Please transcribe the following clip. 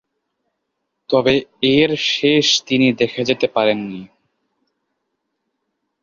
তবে এর শেষ তিনি দেখে যেতে পারেননি।